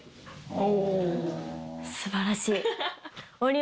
お。